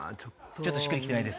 ちょっとしっくりきてないです？